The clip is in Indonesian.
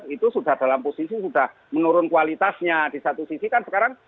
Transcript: itu sudah dalam posisi sudah menurun kualitasnya di satu sisi kan sekarang